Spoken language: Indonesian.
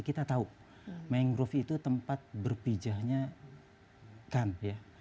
kita tahu mangrove itu tempat berpijaknya